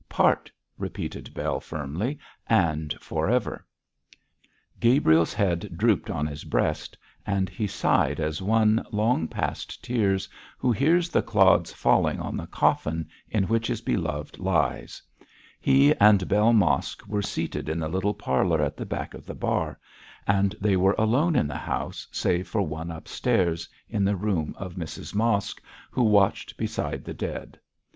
'Part,' repeated Bell, firmly, 'and for ever.' Gabriel's head drooped on his breast, and he sighed as one, long past tears, who hears the clods falling on the coffin in which his beloved lies. He and Bell Mosk were seated in the little parlour at the back of the bar, and they were alone in the house, save for one upstairs, in the room of Mrs Mosk, who watched beside the dead.